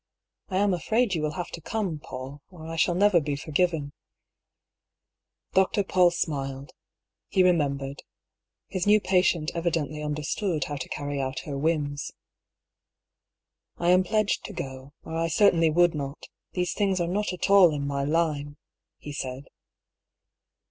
I am afraid you will have to come, PauU, or I shall never be forgiven." 214 I>R PAULL'S THEORY. Dr. Paull smiled. He remembered. His new pa tient evidently understood how to carry out her whims. "I am pledged to go, or I certainly would not These things are not at all in my line," he said.